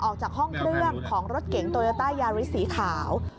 ออกจากห้องเครื่องของรถเก๋งโตโยต้ายาริสสีขาว